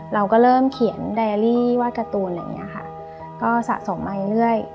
เราก็เริ่มเขียนแดยรี่วาดการ์ตูนสะสมไปเรื่อย